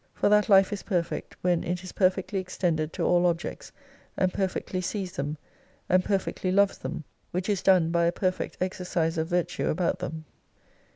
For that life is perfect when it is perfectly extended to all objects, and perfectly sees them, and perfectly loves them: which is done by a perfect exercise of virtue about them.